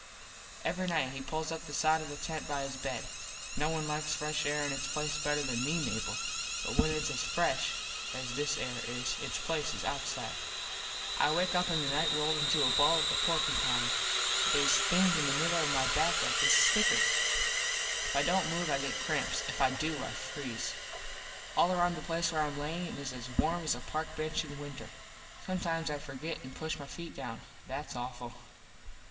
Every nite he pulls up the side of the tent by his bed. No one likes fresh air in its place better than me, Mable, but when its as fresh as this air is its place is outside. I wake up in the nite rolled into a ball like a porkypine. Theys things in the middle of my back like his stickers. If I dont move I get cramps. If I do, I freeze. All around the place where Im lyin is as warm as a park bench in winter. Sometimes I forget and push my feet down. That's awful.